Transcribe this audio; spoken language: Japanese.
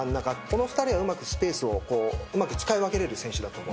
この２人はうまくスペースを使い分けれる選手だと。